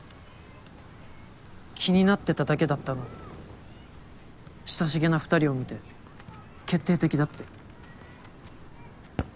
気になってただけだったのに親しげな２人を見て決定的だって。